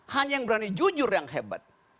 hanya yang berani jujur yang hebat